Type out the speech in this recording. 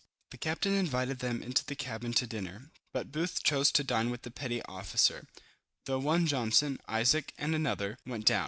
The captain invited them into the cabin to dinner, but Booth chose to dine with the petty officer, though one Johnson, Isaac and another, went down.